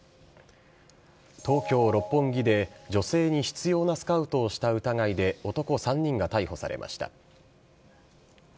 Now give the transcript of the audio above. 東京・六本木で女性に執ようなスカウトをした疑いで、男３人が逮捕されました。